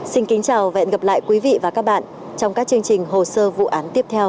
xin kính chào và hẹn gặp lại quý vị và các bạn trong các chương trình hồ sơ vụ án tiếp theo